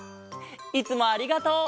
いつもありがとう！